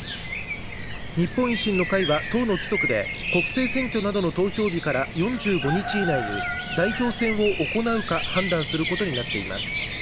日本維新の会は党の規則で、国政選挙などの投票日から４５日以内に代表選を行うか判断することになっています。